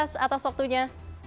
mas bas atas waktunya